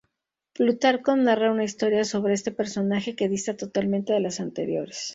Plutarco narra una historia sobre este personaje que dista totalmente de las anteriores.